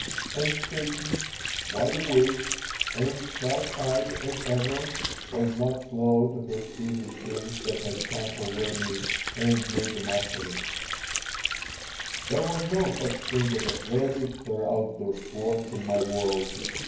And Satan, wide awake and sharp eyed as ever, was not slow to perceive the change that had come over me and made the most of it There was no such thing as athletics or outdoor sports in my world.